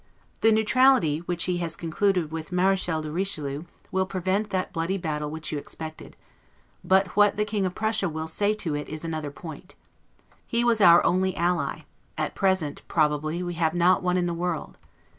The neutrality which he has concluded with Marechal de Richelieu, will prevent that bloody battle which you expected; but what the King of Prussia will say to it is another point. He was our only ally; at present, probably we have not one in the world.